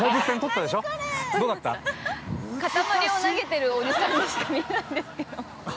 ◆塊を投げてるおじさんにしか見えないんですけど。